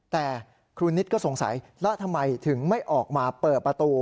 แต่ครูนิตก็สงสัยแล้วทำไมถึงไม่ออกมาเปิดประตู